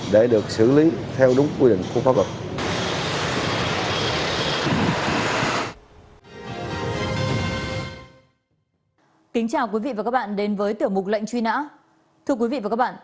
để được xử lý theo đúng quy định của phó cục